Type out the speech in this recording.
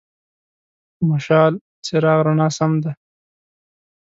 مشال: څراغ، رڼا سم دی.